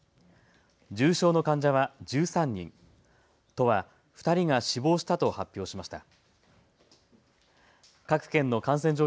重症の患者は１３人、都は２人が死亡したと発表しました。